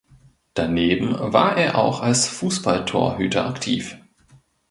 Daneben war er auch als Fußballtorhüter aktiv.